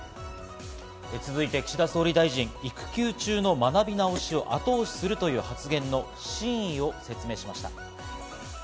続いて岸田総理大臣、育休中の学び直しを後押しするという発言の真意を説明しました。